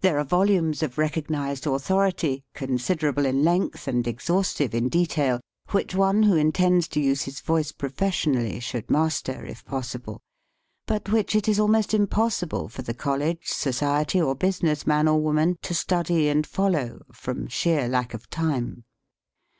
There are volumes of recognized author ity, considerable in length and exhaustive in detail, which one who intends to use his voice professionally should master, if possible, but which it is almost impossible for the college, society, or business man or woman to study and follow, from sheer lack of time.